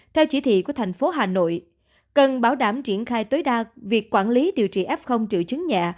theo chỉ thị của thành phố hà nội cần bảo đảm triển khai tối đa việc quản lý điều trị f triệu chứng nhẹ